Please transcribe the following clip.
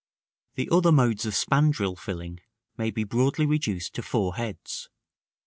§ X. The other modes of spandril filling may be broadly reduced to four heads. 1.